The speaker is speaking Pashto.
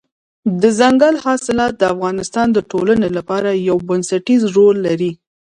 دځنګل حاصلات د افغانستان د ټولنې لپاره یو بنسټيز رول لري.